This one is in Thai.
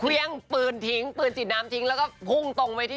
เครื่องปืนทิ้งปืนฉีดน้ำทิ้งแล้วก็พุ่งตรงไปที่